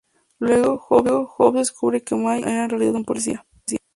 Luego, House descubre que Mikey era en realidad un policía.